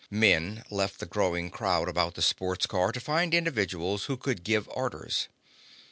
Men left the growing crowd about the sports car to find individuals who could give orders.